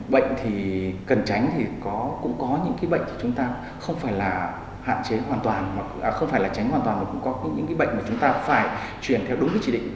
bệnh thì cần tránh thì cũng có những bệnh thì chúng ta không phải là tránh hoàn toàn mà cũng có những bệnh mà chúng ta phải truyền theo đúng chỉ định